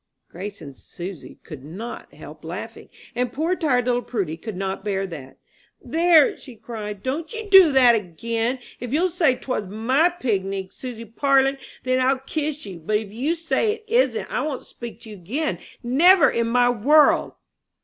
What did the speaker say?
Grace and Susy could not help laughing, and poor tired little Prudy could not bear that. "There," cried she, "don't you do that again! If you'll say 'twas my pignig, Susy Parlin, then I'll kiss you; but if you say it isn't, I won't speak to you again never in my world!"